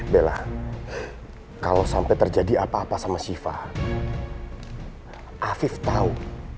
bella kalau sampai terjadi apa apa sama syifa afif tahu